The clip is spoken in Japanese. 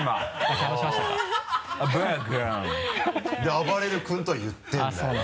「あばれる君」とは言ってるんだよな。